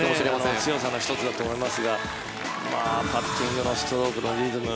彼女の強さの１つだと思いますがパッティングのストロークのリズム。